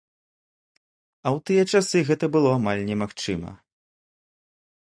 А ў тыя часы гэта было амаль немагчыма!